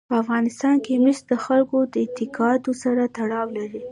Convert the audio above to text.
په افغانستان کې مس د خلکو د اعتقاداتو سره تړاو لري.